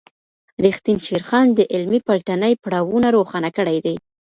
ریښتین شیرخان د علمي پلټني پړاوونه روښانه کړي دي.